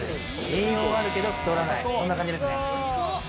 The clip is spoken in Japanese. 栄養があるけれども太らない、そんな感じですね。